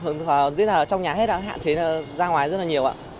nên là mọi hoạt động ở trong nhà hết hạn chế ra ngoài rất là nhiều ạ